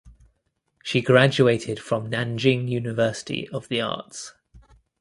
She graduated from Nanjing University of the Arts.